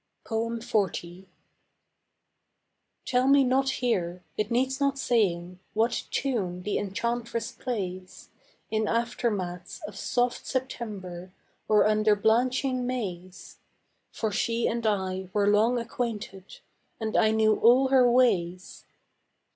XL. Tell me not here, it needs not saying, What tune the enchantress plays In aftermaths of soft September Or under blanching mays, For she and I were long acquainted And I knew all her ways.